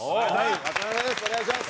お願いします。